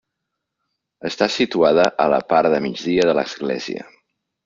Està situada a la part de migdia de l'església.